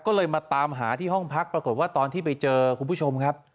ก็เลยมาตามหาที่ห้องพักปรากฏว่าตอนที่ไปเจอคุณผู้ชมครับ